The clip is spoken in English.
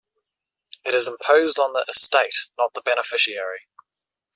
It is imposed on the estate, not the beneficiary.